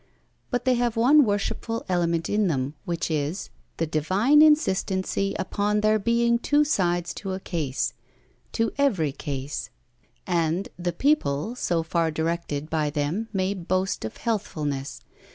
But they have one worshipful element in them, which is, the divine insistency upon there being two sides to a case to every case. And the People so far directed by them may boast of healthfulness.